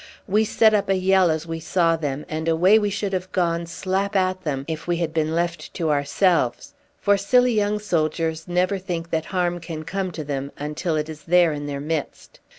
We set up a yell as we saw them, and away we should have gone slap at them if we had been left to ourselves; for silly young soldiers never think that harm can come to them until it is there in their midst.